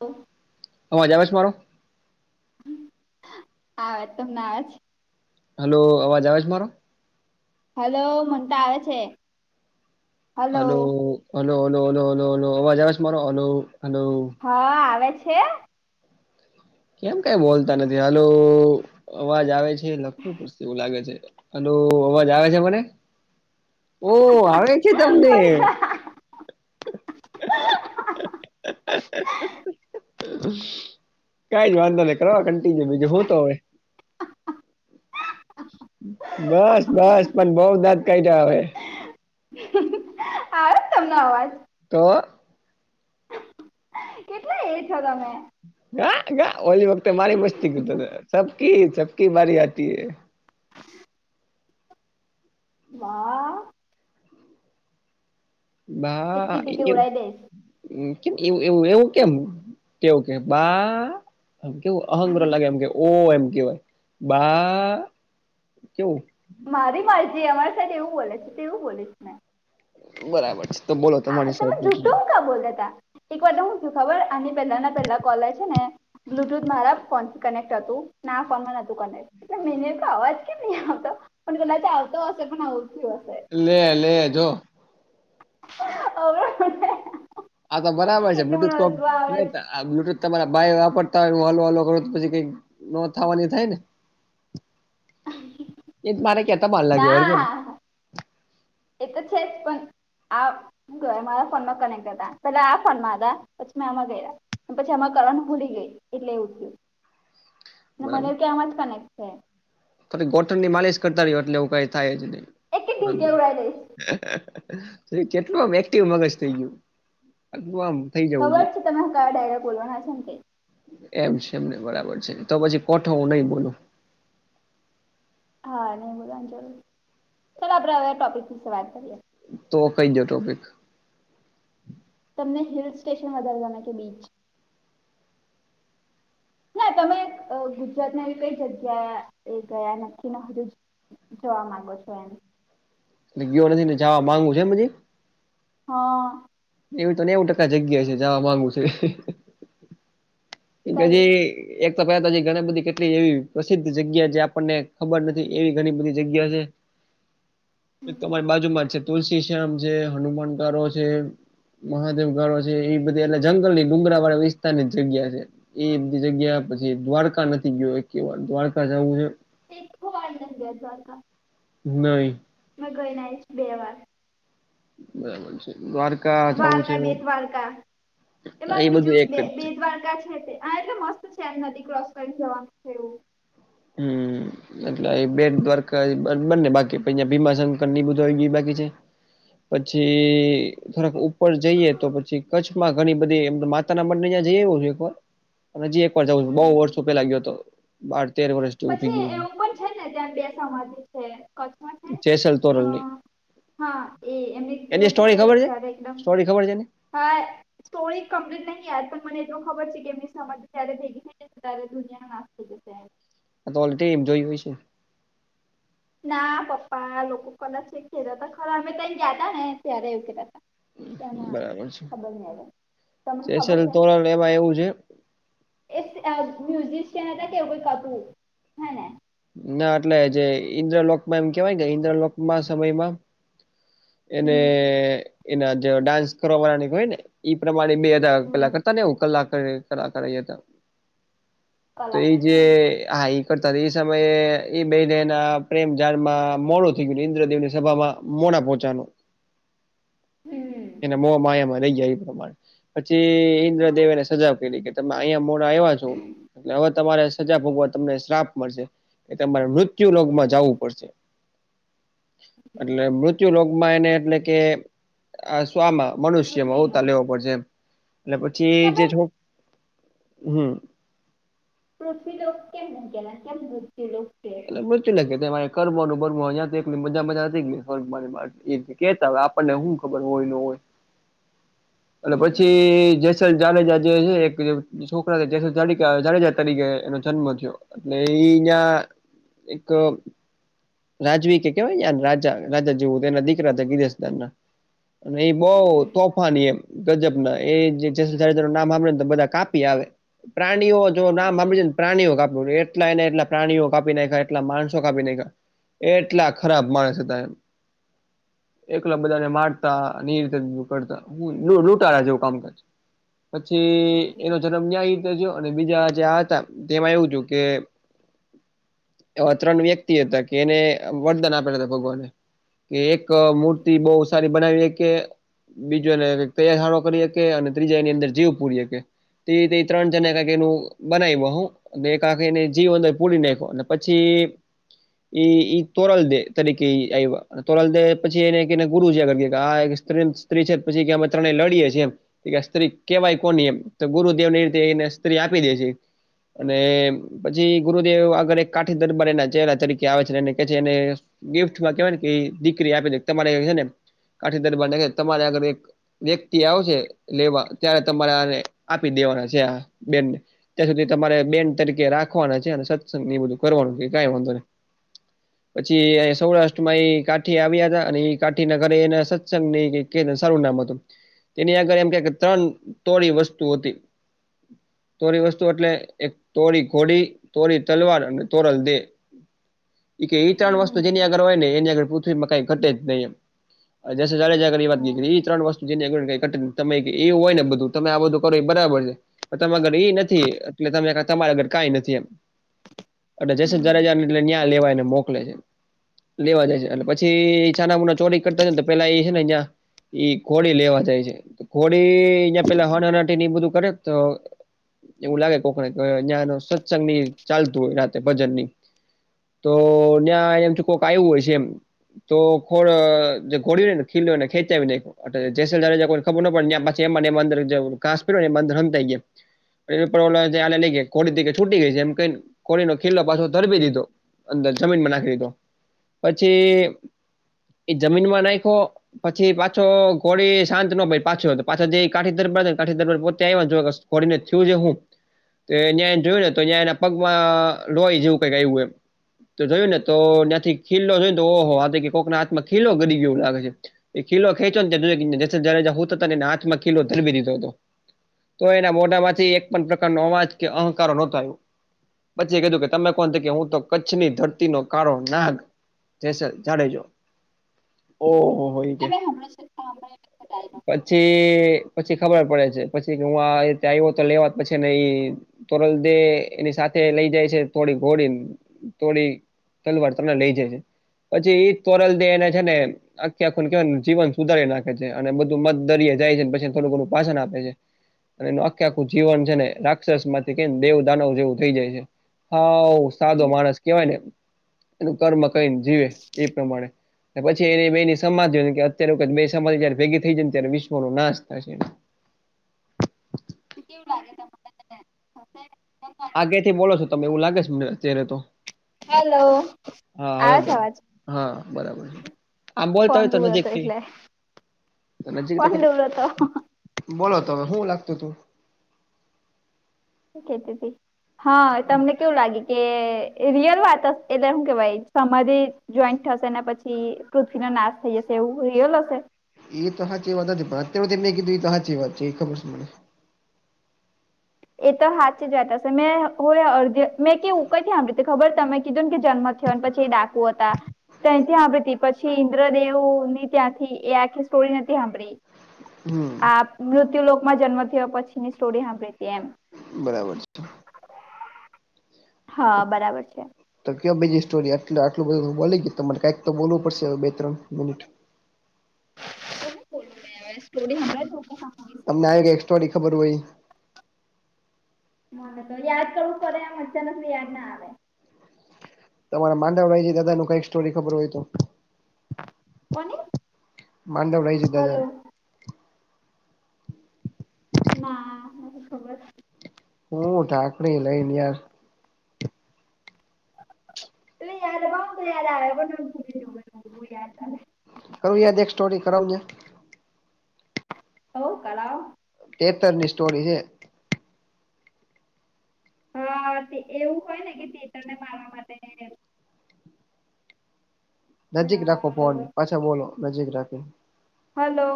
ઓ અવાજ આવે છે, મારો આ વાત તમનેવાજ હલો અવાજ આવે છે, મારો હલો મન ત આવે છે. Hello hello hello hello hello hello અવાજ આવે છે, મારો હલો હલો હા આવે છે. કેમ કઈ બોલતા નથી હાલો અવાજ આવે છે, લખવું પડશે એવું લાગે છે. હલો અવાજ આવે છે, મને ઓ આવે છે તમને હ [unintelligible] કાઈ જ વાંધો ની કરવા કન્ટિન્યુ બીજું હો તો હોવે બસ બસ પણ બઉ દાત કાઢયા હવે આવે તમને અવાજ તો કેટલા એ છો, તમે ગા ગા ઓલી વખતે મારી મસ્તી કરતો સબકી સબકી બારી આતી હે હા બા એકી બાહ ટીકે એજુ ઉડાઈ દઈશ કેવ એવું એવું કેમ કેવું કે બા આમ કેવું અહંગ્ર લાગે એમ કે ઓ એમ કેવાય બા કેવુ મારી મારજી અમારી સાથે એવું બોલે છે ત એવુ બોલીસ ને બરાબર છે. તો બોલો આ તમારી તમે સાહેબ જૂઠો હ કા બોલ્યા ત એક વાર હું છ ખબર આની પેલા ના પહેલા કોલર છેને. બ્લુટુથ મારા ફોનથી કનેક્ટ હતું ના ફોન માં નતું કનેક્ટ એટલે મેને અવાજ કે ની આવતો પણ કદાચ આવતો હશે પણ આવ થ હશે. લે લે જો અવે આ તો બરાબર છે, બ્લુટૂથ કોપ લેતા આ બ્લુટૂથ તમારા ભાય વાપરતા હોય તો હું હલો હલો કરું તો પછી કઈક નોથાવાની થાય ને એ મારે કેતા બાર કેરને ના એ તો છે, જ પણ આ હું કરે મારા ફોનમાં કનેક્ટ હતા પેલા આ ફોનમાં હતા પછી મેં આમાં કર્યા. પછી આમા કરવાની ભૂલી ગઈ એટલે એવું થયું. હ. ને મને એવું કે આમજ કનેક્ટ છે. થોડી ગોટનની માલિશ કરતા રહ્યો એટલે એવું કઈ થાય જ નહી. એક એક ઢીંચે ઉડાઈ દઈશ [unintelligible] કેટલું આમ એક્ટિવ મગજ થઈ ગયુંટલુ આમ. થઈ જવું ખબર છે તમે કયા ડાયરે બોલવાના છ તે એમ છે એમને બરાબર છે તો પછી કોઠો હું નહી બોલું. હા નહી બોલવાની જરૂર ચાલો આપણેે હવે ટોપિક વાત કરીએ. તો કઈ દો ટોપિક તમને હિલ સ્ટેશન વધાર ગમે કે બીચ ના તમે ગુજરાત ના એ કઈ જગ્યા એ ગયા નથી ને હજુ જોવા માંગો છો એમ ગયો નથી ને જવા [unintelligible] હા એવી તો નેવું ટકા જગ્યા છે જવા માંગુ છે. એલે કઈ જે એક તો પહેલા તો ઘણી બધી કેટલી એવી પ્રસિદ્ધ જગ્યા જે આપણને ખબર નથી એવી ઘણી બધી જગ્યા છે. એક તોમારી બાજુમાં જ છે તુલસી શ્યામ છે હનુમાન કારો છે. મહાદેવ ગાળો છે એ બધા એટલે જંગલ ની ડુંમરા વાળા વિસ્તાર ની જગ્યા છે. એ બધી જગ્યા પછી દ્વારકા નથી ગયો એક કેવાર દ્વારકા જવું છે. [unintelligible] વાળ લ ગ્યા દ્વારકા નહી મે ગઈને બેવાર બરાબર છે દ્વાર દ્વારકા બે દ્વારકા એમાં એ બધું બીજું એક બે જ છે. બે દ્વારકા છે તે હા એટલે મસ્ત છે એમ નદી ક્રોસ કરી જવાનું છે એવું. હમ્મ હમ્મ એટલે બે દ્વારકા બંને બાકી ભીમા શંકર ની બધ બાકી છે. પછી થોડાક ઉપર જઈએ તો પછી કચ્છમાં ઘણી બધી માતા ના મનને ત્યાં જઈ એવું છે એક વાર અનેજી એક વાર જવું છ બઉુ એવું વર્ષો પેલા ગયો હતો બાર તેર વર્ષ જેવું થઇ પછી ગયું છે. એવું પણ છે ને ત્યાં બે સમાધ છે કચ્છમાં છે. જેસલ તોરલ અ ની હા એ એમની એની એવું કે સ્ટોરી કે ખબર છે જ્યારે એકદમ સ્ટોરી ખબર છે એની હા સ્ટોરી કમ્પ્લીટ નહીં યાર પણ મને એટલ ખબર છે કે એમની સમજ ત્યારે થે [unintelligible] તારે ધુનિયા નાસ્તો જશે. આ તો ઓલ એમ જોય હોય છે. ના પપ્પા લોકો કદાચ્યા હતા ખરા અમે ત ગયા હતા ને ત્યારે એવું ક્યા હતા. બરાબર છેલ તમને ખબર જેસલ છે તોરણ એમાં એવું છે. એ મ્યઝિશિયાન હતા કે કોઈ કપુ હ ને. ના એટલે જે ઈન્દ્રલોકમાં એમ કેવાય કે ઈન્દ્રલોકમાં સમયમાં એને હમ એના જે ડાન્સ કરવા વાળની હોય ને. એ પ્રમાણે બેધા હમ પેલા કરતા ને હ કલાક કલાકાર હતા. તો એ જે કલાકાર હા એ કરતા એ સમયે એ બેને ના પ્રેમ જાડ માં મોડું થઈ ગયું ઈન્દ્રદેવ ની સભામાં મોડા પોહોચાનો. હમ્મ એ મોહ માંયા મા રહી જાય એ પ્રમાણે પછી ઈન્દ્રદેવેને સજા કરી કે તમે અહીંયા મોડા આવ્યા છો. એટલે હવે તમારે સજા ભોગવા તમને શ્રાપ મળશે. એ તમારે મૃત્યુ લોગમાં જવું પડશે. એટલે મૃત્યુ લોકમાં એને એટલે કે આ શમાં મનુષ્યમાં આવતાર પૃથ્વીમાં લેવો પડશે એમ એટલે તે પછી જે આપણે હમ પૃથ્વી લોક કેમ કેલા કેમ પૃથ્વી લોક કે [unintelligible] કેતા હોય આપણને શું ખબર હોય ન હોય અને હમ પછી જાડેજા જે છે એક છોકરા જેસલ જાડેજા તરીકે એનો જન્મ થયો. એટલે ઇ ન્યા એક રાજવી કે કેવાય ય રાજા રાજા જેવું એના દીકરા ગીધસદાર ના અને એ બહ હમ હમ તોફાની એમ ગજબ એ જેસલ જાડેજા નું નામ હંભળે ને તોબધા કાપી આવે પ્રાણીઓ નામ આપડી ને પ્રાણીઓ કા એટલા એને એટલા પ્રાણીઓ કાપી નાખાય એટલા માણસો કાપી નાખા એ એટલા ખરાબ માણસ હતા એમ એકલા બધાને મારતા ની રીતે કરતા લૂંટાળા જેવું કામકાજ પછી એનો જન્મ ન્યાયતે થયો અને બીજા જે હતા તેમાં એવું થું કે એવા ત્રણ વ્યક્તિ હતા કે એને વરદાન આપેલા હતા ભગવાને કે એક મૂર્તિ બહુ સારી બનાવીએ કે બીજો તૈયાર સારો કરી કે અને ત્રીજા એની અંદર જીવ પૂરી હકે તે તે ત્રણ જણ ક કે એનું બનાવ્યું હું એક આખી એને જીવંદ પૂરી નાખો અને પછી એ તોરલ દેહ તરીકે આઇવા તોરલ દે પછી એને ગુરુજી આગર ગ્યાં આ સ્ત્રી છે પછી કે અમે તણે લડીએ છીએમ એ સ્ત્રી કેવાય કોની એમ તો ગુરુદેવ રીતે એને સ્ત્રી આપી દે છે અને પછી ગુરુદેવ આગળ એક કાઠી દરબારી ના ચેલા તરીકે આવે છે એને કે છે એને ગિફ્ટમાં કેહેવાય દીકરી આપે તમારે છે ને કાઠી દરબાર ને કે તમારે અગર એક વ્યક્તિ આવશે લેવા ત્યારે તમારે આને આપી દેવાના છે આ બેનને અત્યં સુધી તમારે બેન તરીકે રાખવાના છે અને સત્સંગ એ બધું કરવાનું છે કઈ વાંધો નને પછી સૌરાષ્ટ્ર માં એ કાઠી આવ્યા હતા અને એ કાઠી ના ઘરે એને સત્સંગ ની સારું નામ હતું તેની આગળ એમ ક ત્રણ તોડી વસ્તુ હતી તોરી વસ્તુ એટલે એક તોરી ઘોડી તોરી તલવાર અને તોરલ દેહ એ કે એ ત્રણ વસ્તુ જેની આગળ હોય ને એની આગળ પૃથ્વીમાં કઈ ઘટે જ નહી એમ જેસલ જાડેજા આગળ એ વાત હમ કરી એ ત્રણ વસ્તું જેની આગળ હોય એને કંઈ ઘટે નઇ તમે એ હોય ને બધું તમે આ બધું કરો એ બરાબર છે તમે આગર એ નથી એટલે તમે તમારા અગર કઈ નથી એમ એટલે જેસલ જાડેજા ને એટલે ન્યા લેવાય ને મોકલે છે લેવા જાય છે એટલે પછી છાનામુના ચોરી કરતા ને તો પેલા એ છે ને અં ઈ ઘોડી લેવા જાય છે ઘોડી અહિયાં પેલા હનહણાટી બધું કરે તો એવું લાગે કોકને અં સત્સંગ ની ચાલતું હોય રાતે ભજનની તો ત્યાં એમ તો કોઈક આવું હોય છે એમ તો ખોળ જે ઘોડ્યું હો ને, ખીલને ખેંચ્યાીને. જેલઈ ખબર ન પડે, છી એંદર ઘાસ પ ને મંદર હમતાઈ ગયા. [unintelligible] લઈ ખો છૂટી ગઈ છે, એમ ક ખોનો ખીલો પાછો તરી દીધો. અંદર જમીનમાં નાખી દીધો, પછી એ જમીનમાં નાખો. પછી પાછો ઘોડી શાંત નો ભાઈ પાછો-પાછી, જે કાઠી દરબારને કાઠી દરબાર પોતે આવે. હોળને થયું છે, હું તોડ્યાં એ જોયું ને, તો ત્યાં એના પગમાં લોય, જેવું કઈ એ એ. તો જોયું ને, તો ત્યાંથી ખીલો જોઈને, તો ઓહો હા, કોકના હાથમાં ખીલો ગરી ગ એવું લાગે છે. એ કીલો ખેંચો ને જ, હું ને, હાથમાં કીલો ધરી દીધો હતો. તો એના મોઢામાંથી એક પણ પ્રકારનો અવાજ. કે અહંકારો નતોું પચછી કીધું કે તમે કોણથી કે હું તો કચ્છની ધરતીનો કાળો નાગ જ જાડેજો ઓહ હોય કે અમે હમણાં જ સાંભળ્યો છે ડાયલોગ પછી પછી ખબર પડે છે પછી કે હું આ આવ્યો તો લેવા પછી ને તોરલ દે એની સાથે લઈ જાય છે થોડી ઘોડીને તોોડી તલવાર તમને લઈ જાય છે પછી એ તોરલ દેહ એને છે ને આખે આખું કહેવાય જીવન સુધારી નાખે છે અને બધું મધ દરિે જાય છે પછીને થોડું ઘોડું પાછન આપે છે અને એનું આખે આખું જીવન છે ને રાક્ષસ માંથી કે દેવ દાનવ જેવું થઈ જાય છે હા સાદો માણસ કેવાય ને એનું કર્મ કઈને જીવે એ પ્રમાણે પછી એની બેની સમાધિ કે અત્યારે જ બે સમાધિ જયારે ભેગી થઈ જાય ત્યારે વિશ્વ ન નાશ થશે કેવું લાગે તમા આગ્યાથી બોલો છો તમે એવું લાગે છે મને અત્યારે તો હેલો હા હવે બોલો આજવાજ હા બરાબર છે આમ બોલતા કોન હોય તો દૂર હતો નજીકથી એટલે નજીક પણન રાખીને દૂર હતો બોલો તમે શું લાગતું તું તી હા તમને કેવું લાગે કે રિયલ વાત એટલે શું કેવાય સધ જોઈન્ટ થશે પછી પૃથ્વીનો નાશ થઈ જશે એવું રિલ હશે એ તો હાચ એ વાત નથી પણ અત્યારે તેમને કીધું એ તો હાચ એ વાત છે એ ખબર છે મને એ તો હાચ જતા હશે મેં હો અડધી મેં કવું કઈથી આંળી ખબર તમે કીધું ને કે જન્મથી પછી એ ડાકુ હતા ત્યાથી સાંભળીતી પછી ઇન્દ્રદેવ ની ત્યાંથી એ આખી સ્ટોરી નથી સાંભળી હમ આ મૃત્યુ લોકમાં જન્મ થયો પછીની સ્ટોરી સાંભળી હતી એમ બરાબર છે હા બરાબર છે તો ક બીજી સ્ટોરીટલે આટું બધું બોલી ગય તમારે કઈક તો બોવું પડશે બે ત્રણ મિનિટ બો મે સ્ટોરી હ તમને આવી કઈ સ્ટોરી ખબર હોય મને તો દ કરું પડે મનચનેને યાદ ના આવે તમારે માંડળય છે દાદા ન કઈ સ્ટોરી ખબર હોય તો કો માંદવડા ફલોો ના ખબર હમ ઠાકડી લઈ યાર એ યાારવા યાાર એવ ક કરવું યાદ એક સ્ટોરી કરાવને હો કરાવ તેતર ની સ્ટોરી છે હા તે એવું હોય ને કે તે તને મારવા માટે નજીક રાખો ફોન પાછા બોલો નજીક રાખો હલો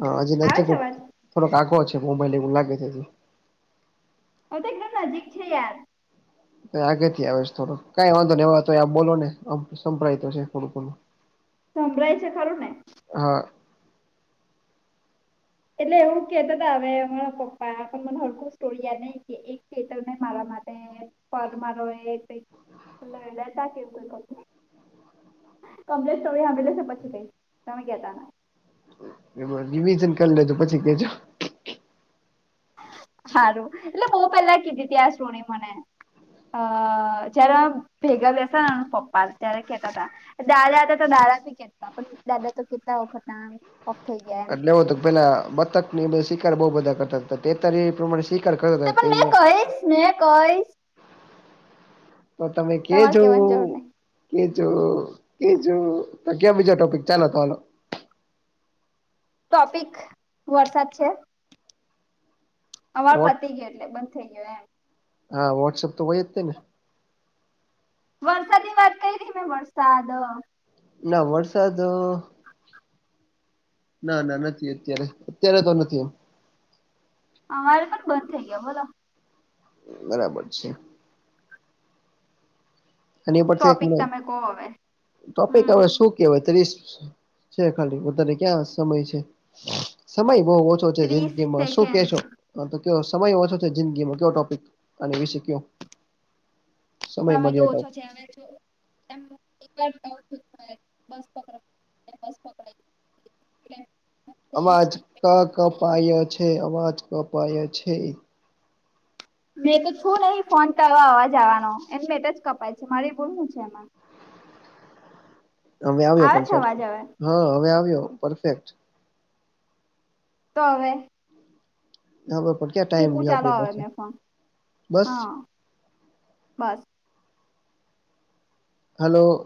હ હજી આવે છે નથી અવાજ? થોડોક આગો છે મોબાઈલ એવું લાગે છે હજ હું તો એકદમ નજીક છે યાર આગ થી આવે છે થોડો કઈ વાંધો ને એ તો બોલો ને સંભળાયતો છે થોડું બ [inaudible] સમભ્રાઈ છે ખાલું ને હા એટલે એવું કર આવેરા પપ્પા પણ મને હરકું સ્ટોરી યાદ નહ કે એક કટરને મારા માટે પરમારો એ ક લેતા કેવું કઈું કમ્પ્લેટ તમે સાંભળી લેશો પછી કઈશ તમે કેતા ના એમાં રિવિઝન કર લેજો પછી કેજો સારું એટલે બહું પહેલા કીધી હતી આ સ્ટોરી મને અ જ્યાર ભેગા બેસ ન પપ્પા ત્યારે કેતા હતા દાદા હતા તો દાદા થી કેતા પણ દાદા તો કેતા વખત ના ઓફ થઈ ગયા એમ એટલે એવો તો પેલા બતક ની શિકાર બહુ બધા કરતા હતા તે ત્યારે એ પ્રમાણે શી કરક રહેતે અહીંયા ને કઈ તો તમે તમારે કેજો ઓ કેવાની જરૂર નહી કેચો કેચો તો ક્યા બીજો ટોપિક ચાલો તો હાલો ટોપિક વરસાદ છે. અવાર વોટ પતી ગયો એટલે બંધ થઈ ગયો એમ. હા વોટસઅપ તો હોય જ ને વરસાદ ની વાત કરી મેં વરસાદ ના વરસાદ અ ના ના નથી અત્યારે અત્યારે તો નથી એમ. અમારે પણ બંધ થઈ ગયા બોલો બરાબર છે. એની ઉપરથી એક ટોપિક તમે કહો હવે ટોપિક હમ હવે શું હોય ત્રીસ છે ખાલી વધારે ક્યાં સમય છે સમય બહું ઓછો શું ત્રીસ જિંદગીમાં શું સેકન્ડ કેશો સમય ઓછો છે જિંદગીમાં કયો ટોપિક અને વિશે કયો સમય તો ઓછો છે હવે જો [unintelligible] બસ પકડ ત્યારે બસ પકડે અવાજ ક કપાય અ છે અવાજ કપાય અ છે મેં તો છું નહી ફોન કરવા અવાજ આવાનો એને મેં તો જ કપાય છે મારી બોલવુ છે એમાં હવે આવ્યો આવે પણ છે સર અવાજ હવે હા હવે આવ્યો પરફેક્ટ તો હવે બબ પણ ક્યાં ટાઈમ મૂકું નહી ચાલો આપડી હવે પાસે મેં ફોન બસ હા બસ હલો.